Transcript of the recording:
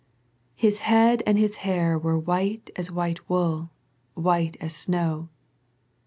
" His head and His hair were white as white wool, white as snow."